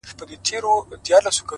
ناکامي د مسیر د سمولو اشاره ده,